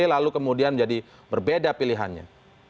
lalu kemudian jadi berbeda pilihannya